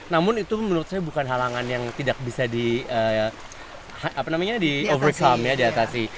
namun itu menurut saya bukan halangan yang tidak bisa di overcome ya di atasi